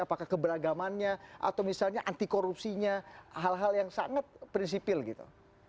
apakah keberagamannya atau misalnya anti korupsinya hal hal yang sangat prinsipil gitu